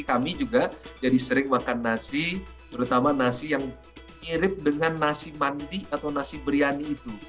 kami juga jadi sering makan nasi terutama nasi yang mirip dengan nasi mandi atau nasi biryani itu